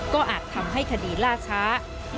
ก็อาจทำให้คดีล่าช้า